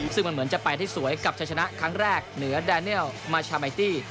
ซึ่งมันเหมือนจะไปได้สวยกับชัยชนะครั้งแรกเหนือแดเนียลมาชามัยตี้